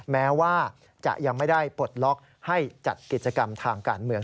แม้ว่าจะยังไม่ได้ปลดล็อกให้จัดกิจกรรมทางการเมือง